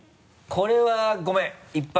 これはごめん一発